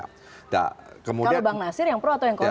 kalau bang nasir yang pro atau yang kontra